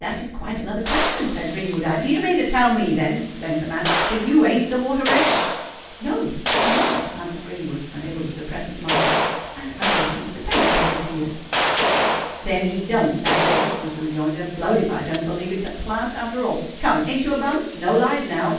"That is quite another question," said Greenwood. "I——" "Do you mean to tell me, then," exclaimed the man, "that you ain't the Water Rates?" "No—I am not," answered Greenwood, unable to suppress a smile. "I thought that a Mr. Pennywhiffe lived here." "Then he don't—that's all," was the rejoinder. "Blowed if I don't believe it's a plant, after all. Come—ain't you a bum? no lies, now!"